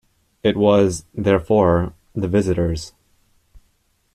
It was, therefore, the visitor's.